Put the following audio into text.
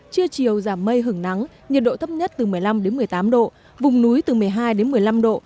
trưa chiều giảm mây hứng nắng nhiệt độ thấp nhất từ một mươi năm một mươi tám độ vùng núi từ một mươi hai đến một mươi năm độ